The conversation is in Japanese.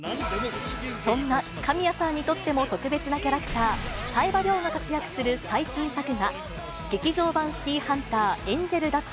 そんな神谷さんにとっても特別なキャラクター、冴羽りょうが活躍する最新作が、劇場版シティハンター天使の涙。